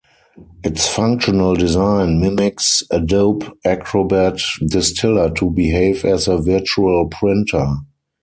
Its functional design mimics Adobe Acrobat Distiller to behave as a virtual printer.